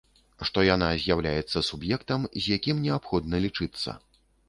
Што яна з'яўляецца суб'ектам, з якім неабходна лічыцца.